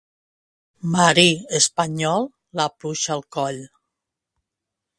Marí espanyol, la pluja al coll.